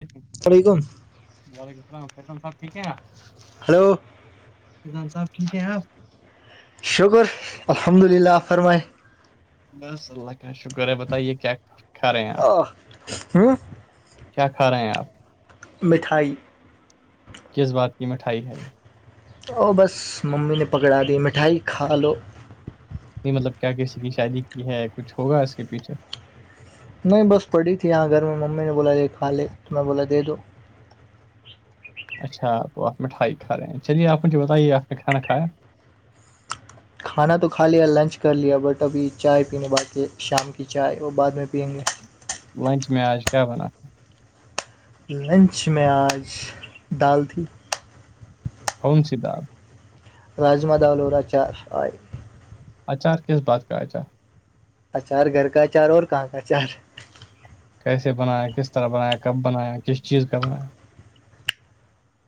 جٹھ السل علیکم وعلیکم السلام فیضان صاحب ٹھیک ہیں ہلو جضان صاحب ٹھیک ہیں آپ شکر الحمد للہ فرمائے بس اللہ کا شکر ہے بتائیے کیا کھا رہے ہیں آپ آہ، ہوں کیا کھا رہے ہیں آپ میٹھائی کس بات کی مٹھائی ہے اورو بس ممی نے پکڑا دی مٹھائی کھا لو یہ مطلب کیا کسی کی شادی کی ہے کچھ ہوگا اس کے پیچھے نہیں بس پڑی تھی یہاں گھر میں ممی نے بولا یہ کھا لے تو میں بولا دے دو اچھاپ تو آپ میںٹھائی کھا رہے ہیں چلیے آپ مجھے بتائیے آپ نے کھانا کھایا کھانا تو کھا لیا لنچ کر لیا بٹ ابھی چائے پینے باقی شام کی چائے وہ بعد میں پئیں گے لنچ میںی آج کیا بنا لنچ میں آج ڈال تھی کون سی د آپ راجما دالوورا چار آچار کس بات کا اچار اچار گھر کا اچار اور کہاں کا اچار کیسے بنایا کس طرح بنایا کب بنایا کس چیز کا بنایا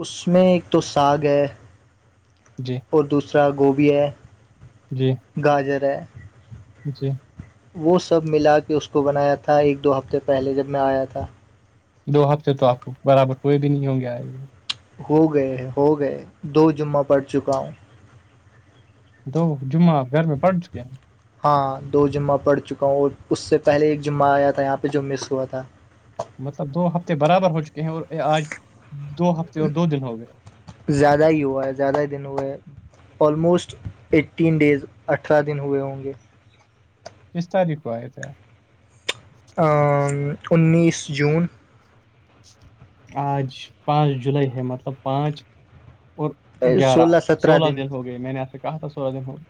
اس میں ایک تو ساگ ہے جی اور دوسرا گوبھی ہے جی گاجر ہے جی وہ سب ملا کے اس کو بنایا تھا ایک دو ہفتے پہلے جب میں آیا تھا دو ہفتے تو آپ کو برابر کوئی بھی نہیں ہوں گے آئے گ ہو گئے ہو گئے دو جمعہ پڑ چکا ہوں دو جمعہ گھر میں پڑھ چکے ہیں ہاں دو جمعہ پڑ چکا ہوں اور اس سے پہلے ایک جمعہ آیا تھا یہاں پہ جو مس ہوا تھا مطلب دو ہفتے برابر ہو چکے ہیں اور آج دو ہفتے اور دو دن ہو گیا زیادہ ہی ہوا ہے زیادہ ہی دن ہوئے ہیں آلموسٹ ایٹین ڈیز اٹھارہ دن ہوئے ہوں گے کس تاریخ کو آئے تھے آپ انیس جون آج پانچ جولائی ہے مطلب پانچ اور گیارہ سولہ سترہ سولہ دن ہو گئے میں نے آپ سے کہا تھا سولہ دن ہوئے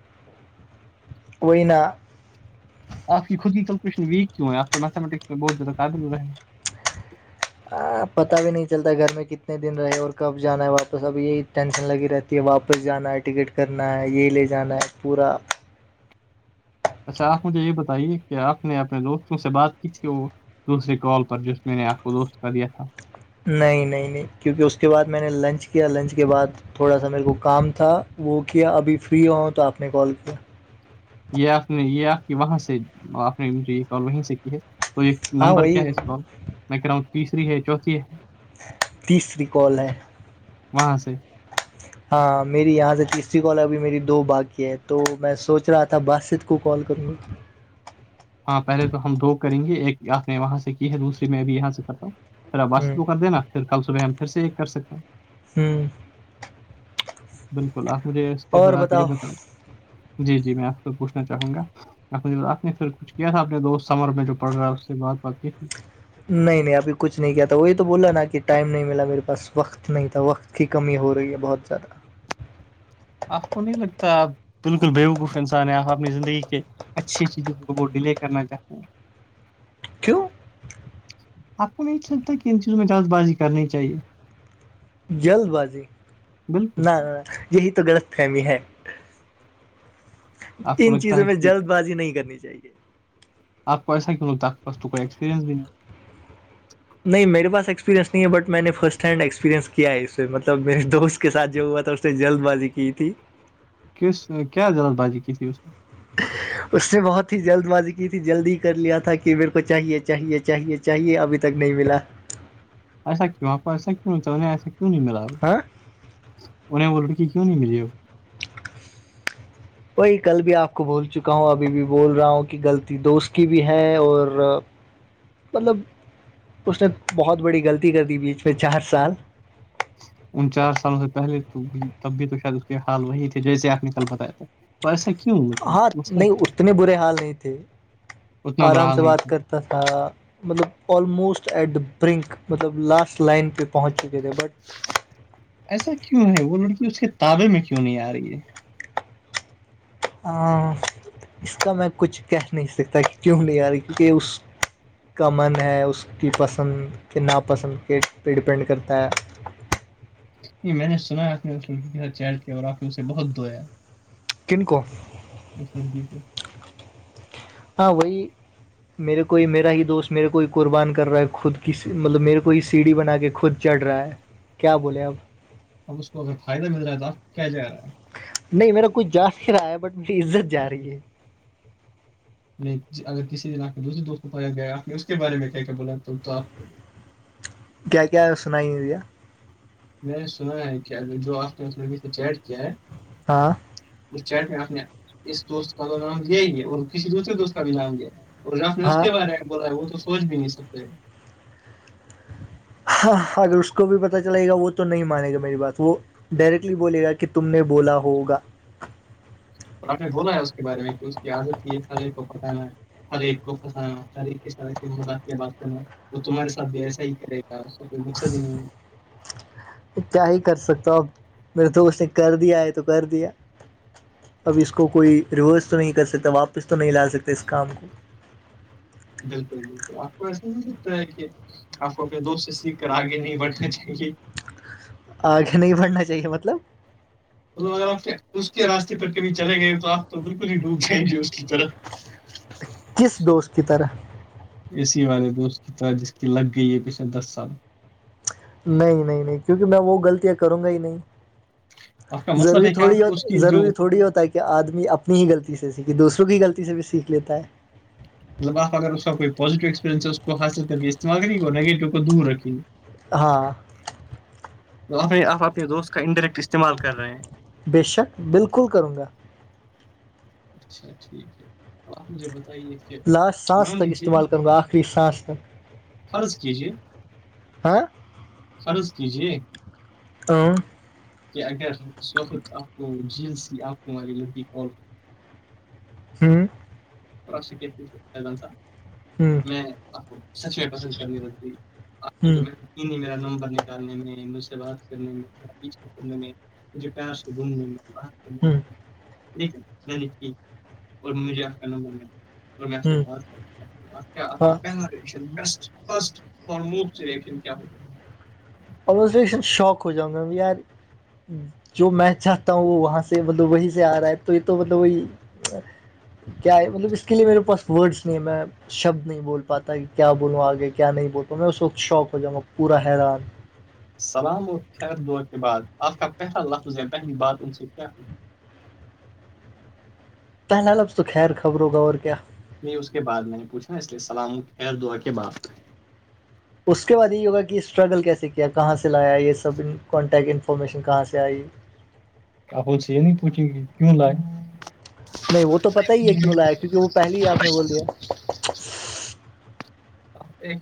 [inaudible] [inaudible] آپ کی خود کیلکوشن ویک کیوں ہے آپ تو میھمیٹکس میں بہت زیادہ قابل ہو رہے ہیں پتہ بھی نہیں چلتا گھر میں کتنے دن رہے اور کب جانا ہے واپس اب یہی ٹینشن لگی رہتی کہ واپس جانا ہے ٹکٹ کرنا ہے یہ لے جانا ہے پورا اچھا آپ مجھے یہ بتائیے کہ آپ نے اپنے دوستوں سے بات کی تھی وہ دوسرے کال پر جوس میں نے آپ کو دوست کا دیا تھا نہیں نہیں نہیں کیونکہ اس کے بعد میں نے لنچ کیا لنچ کے بعد تھوڑا سا میرے کو کام تھا وہ کیا ابھی فری ہو ہوں تو آپ نے کال کیا یہ آپ نے یہ آپ کی وہاں سے آپ نے مجھے یہ کال وہیں سے کی ہے تو یہ ہاں نمبر کیا وہی ہے اس کو میں کہہ رہا ہوں تیسری ہے چوتھی ہے تیسری کال ہے وہاں سے ہاں میری یہاں سے تیسری کالب بھی میری دو باغی ہے تو میں سوچ رہا تھا باسط کو کال کروں ہاں پہلے تو ہم دو کریں گے ایک آپ نے وہاں سے کی ہے دوسری میں بھی یہاں سے کرتا ہوں پھر اب آس ہ تو کو کر دینا پھر کل صبح ہم پھر سے یہ کر سکتے ہیں ہوں بالکل آپ مجھے اس کے اور حات یہ بتاؤ بتائیں جی جی میں آپ سے پوچھنا چاہوں گا آپ نے پھر کچھ کیا تھا اپنے دوست سمر میں جو پڑ رہا ہے اس سے بات بات تھی نہیں نہیں ابھی کچھ نہیں کیا تھا وہی تو بولا نا کہ ٹائم نہیں ملا میرے پاس وقت نہیں تھا وقت کی کمی ہو رہی ہے بہت زیادہ آپ کو نہیں لگتا آپ بالکل بیوقوف انسان ہیں آپ اپنی زندگی کے اچھی چیزیں کو وہ ڈیلے کرنا چاہتے ہیں کیوں آپ کو نہیں لگتا کہ ان چیزوں میں جلد بازی کرنی چاہیے جلد بازی بالکل نہ یہی تو غلط فہمی ہے آپ کو انن لگتا چیزوں ہے میں کہ جلد بازی نہیں کرنی چاہیے آپ کو ایسا کہ لوگ تو کوئی ایکسپرینس نہیں ہے نہیں میرے پاس ایکسپیرئنس نہیں ہے بٹ میں نے فسٹ ہینڈ ایکسپیرریئنس کیا ہے اس سے مطلب میرے دوست اس کے ساتھ جو ہوا تھا اس نے جلد بازی کی تھی کس کیا ضرت باجے ک تی اس نے بہت ہی جلد بازی کی تھی جلد ہی کر لیا تھا کہ میرے کو چاہیے چاہیے چاہیے چاہیے ابھی تک نہیں ملا ایسا کیاں پر ایسا کیوں ایسا کیوں نہیں ملا [unintelligible] انہیں بولڑ کیوں نہیں ملے ہو [unintelligible] بی کل بھی آپ کو بھول چکا ہوں ابھی بھی بول رہا ہوں کہ غلط دوست کی بھی ہے اور مطلب اس نے بہت بڑی غلطی کر دی بیچ میں چار سال ان چار سالوں سے پہلے تو تب بھی تو شاید اس کے حال وہی تھے جیسے آپ نے کل بتایا تھا پیسا کیوں مطلب ہاں مسئلہ نہیں کیا ہے اتنے برے حال نہیں تھے اتنا برا آرام حال سے نہیں بات تھا کرتے تا مطلب آلموسٹ ایٹ دا برنک مطلب لاسٹ لائن پہ پہنچ چکے تھے بٹ ایسا کیوں ہے وہ لڑکی اس کے تعابے میں کیوں نہیں آ رہی ہے اس کا میں کچھ کہہ نہیں سکتا کہ کیوں نہیں آ رہا کیونکہ اس کا من ہے اس کی پسند کے ناپسند کے پہ ڈیپینڈ کرتا ہے ج میں نے سنا آپ نے اس لڑکی کے ساتھ چیر کیا اور آپ نے اسے بہت دھویا کنکو ا سر ج س ہاں وہی میرے کوئی میرا ہی دوست میرے کوئی قربان کر رہا ہے خود کی مطلب میرے کوئی سیڑھی بنا کے خود چڑھ رہا ہے کیا بولے اب اب اس کو اگر فائدہ مل رہا ہے تو آپ کیا جےا رہے ہیں نہیں میرا کچھ جا نہیں رہا ہے بٹ میری عزت جا رہی ہے نہیں اگر کسی دن آپ نے دوسرے دوست کو پتایا گیا آپ نے اس کے بارے میں کیا کیا بولا تو تو آپ کو کیا کیا سنائی بھیا میں سنا ہے کیا ا جو آپ کےس لوگی سے چیٹ کیا ہے ہاں اس چٹ میں آپ نے اس دوست کا نام دیا ہی ہے اور کسی دوسرے دوست کا بھی نام دیا اور رف نے اس ہاں کے بارے میں بولا ہے وہ تو سوچ بھی نہیں سکتے ہاں اگر اس کو بھی پت چلے گا وہ تو نہیں مانے گا میری بات وہ ڈائریکٹلی بولے گا کہ تم نے بولا ہوگا اور آپ نے بولا ہے اس کے بارے میں کہ اس کی عادت کی ہے سارے کو بتانا ہے ہر ایک کو ہر ایک کے سات ای مذاق کے بات کرنا وہ تمہارے ساتھ بھی ایسا ہی کرے گا ا بک د کیا ہی کر سکتا ہوں اپ میرے دوست نے کر دیا ہے تو کر دیا اب اس کو کوئی ریورس تو نہیں کر سکتا واپس تو نہیں لا سکتے اس کام کو بالکل بالکل آپ کو ایسا نہیں لگتا ہے کہ آپ کو اپنے دوست سے سیکھ کر آگے نہیں بڑھنا چاہیے آگے نہیں بڑھنا چاہیے مطلب م اگر آپ اس کے راستے پر کبھی چلے گئے تو آپ تو بالکل ہی ڈوب جائیں گے اس کی طرف کس دوست کی طرح اے سی والے دو اس کی طرح جس کی لگ گئی ہے پچھلے دس سال نہیں نہیں نہیں کیونکہ میں وہ غلطیاں کروں گا ہی نہیں آپ کا مطلب ضوری ہے کہ تھوڑی ہو آپ اس کی جو ضروری تھوڑی ہوتا ہے کہ آدمی اپنی ہی غلطی سے سیکھے دوسروں کی ہی غلطی سے بھی سیکھ لیتا ہے مطلب آ اگر اس کا کوئی پیٹیو ایکسپیررینس کو حاصل کریے اسعمال کرے نگیٹو کو دور رکھیے ہاں تو آپ اپنے دوست کا انڈائریکٹ استعمال کر رہے ہیں بے شک بالکل کروں گا اچھا ٹھیک ہے ا آپ مجھے بتائیے کہ لاسٹ سانس مان تک لیجیے استعمال کروں ب آخری سانس تک فرض کیجیے آاں فرض کیجے ہ کہ اگر اس وقت آپ کو جینس کی آپ کو ہماری لڑکی ہوں ر شک پن ہوں میں آپ کو سچ پسند کرنی ہوں یہ نہیں میرا نمبر نکالنے میں مجھ سے بات کرنے میں پیچھر کرنے میں مجھے پیار سے گھوم ل میرے با ہوں ٹھیک ہے میں نہیں ٹھیک اور مجھے آپ کا نمبر ملا اور میں آپ سے ہوں بات کر رہ ہاں ہوں [unintelligible] اورے شوق ہو جاؤں گا یار جو میں چاہتا ہوں وہ وہاں سے مطلب وہی سے آ رہا ہے تو یہ تو مطلب وہی کیا ہے مطلب اس کے لیے میرے پاس ورڈس نہیں ہے میں شبد نہیں بول پاتا کہ کیا بولوں آگے کیا نہیں بولتاوں میں اس وقت شوق ہو جاؤںا پورا حیران سلام اور خیر دع کے بعد آپ کا پہتلا لفظ ہے پہلی بات ان سے کیا ہو پہنال اب تو خیر خبرو کا اور کیا نہیں اس کے بعد میں نے پوچھ نا اسے السلام خیر دعا کے بعد اس کے بعد یہ یوگا کی اسٹرگل کیسے کیا کہاں سے لایا یہ سب کانٹیکٹ انفارمیشن کہاں سے آئی اپ سے نہیں پوچیں گی کیوں لائے نہیں وہ تو پتا ہی ہے کیوں لایا ہے کیونکہ وہ پہلے ہی آپ نے بول دیا آپ ایک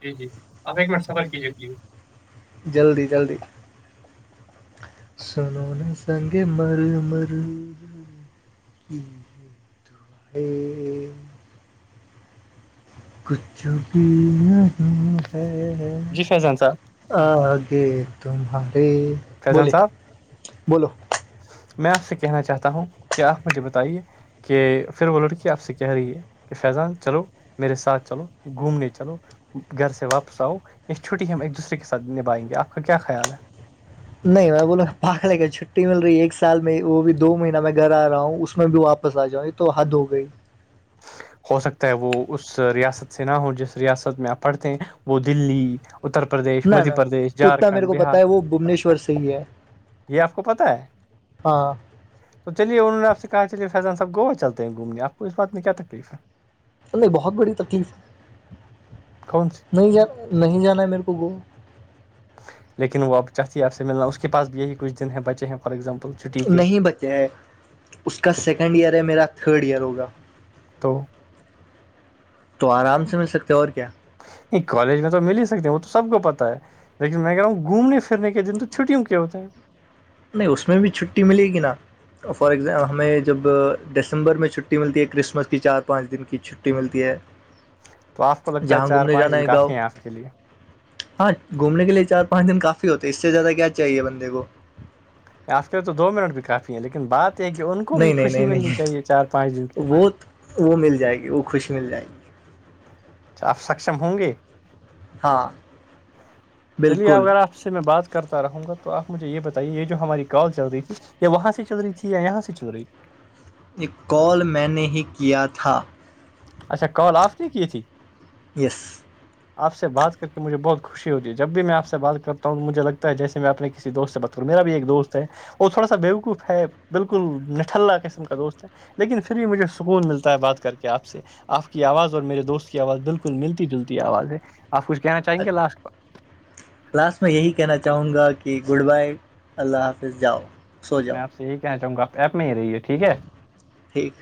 جی جی آپ ایک منٹ سفر کیجیے گلی جلدی جلدی سنو نے سنگے مر مر [unintelligible] کچھ بھی نہیں ہے جی فیضان س آگے تمہارے فیضان بولے صاحب بولو میں آپ سے کہنا چاہتا ہوں کیا آپ مجھے بتائیے کہ پھر وہ لڑکی آپ سے کہہ رہی ہے کہ فیضان چلو میرے ساتھ چلو گھومنے چلو گھر سے واپس آؤ یا چھٹی ہم ایک دوسرے کے ساتھ نبھائیں گے آپ کا کیا خیال ہے نہیں میں بول پاھڑے کا چھٹی مل رہی ہے ایک سال میں وہ بھی دو مہین میں گھر آ رہا ہوں اس میں بھی واپس آ جاؤں تو حد ہو گئی ہو سکتا ہے وہ اس ریاست سے نہ ہو جس ریاست میں آپ پڑھتے ہیں وہ دلی اتر پردیش نہ مدھیہ نہ پردیش اتنا میرے جھارکھنڈ کو بہار پتا ہے وہ بھبنیشور سے ہی ہے یہ آپ کو پتا ہے ہاں تو چلیے انہوں نے آپ سے کہا چلیے فیضان صاحب گوا چلتے ہیں گھومنے آپ کو اس بات میں کیا تکلیف ہے نہیں بہت بڑی تکلیف ہے کون سی نہیں جان نہیں جانا ہے میرے کو گا لیکن وہ چات ہی آپ سے ملنا اس کے پاس بھی یہی کچھ دن ہے بچے ہیں فار ایگزامپل چھٹی کے نہیں بچے ہے اس کا سیکنڈ ایئر ہے میرا تھرڈ ایئر ہوگا تو تو آرام سے مل سکتے اور کیا یہ کالج میں تو مل ہی سکتے ہیں وہ تو سب کو پتہ ہے لیکن میں کہ رہا ہوں گھومنےھرنے کے دن تو چھٹیوں کے ہوتے ہیں نہیں اس میں بھی چھٹی ملے گی نا فار ایگزامپل ہمیں جب دسمبر میں چھٹی ملتی ہے کرسمس کی چار پانچ دن کی چ چھٹی ملتی ہے تو آپ کو لگتا ہے جہاں چار گھومنے پانچ جانا دن ہے کافی گاؤں ہیں آپ کے لیے ہاں گھومنے کے لیے چار پانچ دن کافی ہوتے اس سے زیادہ کیا چاہیے بندے کو یافتے تو دو منٹ بھی کافی ہیں لیکن بات یہ ہے کہ ان کو بھی نہیں نہیں خوشی نہیں ملنی نہیں چاہیے چار پانچ دن کی وہ وہ مل جائے گی وہ خوش مل جائے گی تو آپ سکچم ہوں گے ہاں چلیے ا بالکل اگر آپ اس سے میں بات کرتا رہوں گا تو آپ مجھے یہ بتائیے یہ جو ہماری کال چل رہی تھی یہ وہاں سے چل رہی تھی یا یہاں سے چل رہی تھی ایک کال میں نے ہی کیا تھا اچھا کال آف ت کی تھی یس آپ سے بات کر کے مجھے بہت خوش خوشی ہو جی جب بھی میں آپ سے بات کرتا ہوں مجھے لگتا ہے جیسے میں اپ کسی دوست سے بات کروں میرا بھی ایک دوست ہے اور تھوڑا سا بیوقوف ہے بالکل نٹھلہ قسم کا دوست ہے لیکن پھر بھی مجھے سکون ملتا ہے بات کر کے آپ سے آپ کی آواز اور میرے دوست کی آواز بالکل ملتی جلتی آواز ہے آپ کچھ کہنا چاہیں گے لاسٹ لاسٹ میں یہی کہنا چاہوں گا کہ گڈ بائے اللہ حافظ جاؤ سو جاؤ میں آپ سے یہی کہ چاہوں گا آ ایپ میں ہی رہیے ٹھیک ہے ٹھیک